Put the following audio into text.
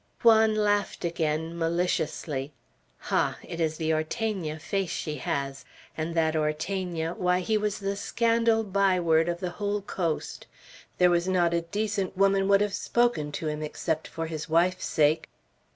Juan laughed again, maliciously: "Ha, it is the Ortegna face she has; and that Ortegna, why, he was the scandal byword of the whole coast. There was not a decent woman would have spoken to him, except for his wife's sake."